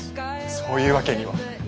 そういうわけには。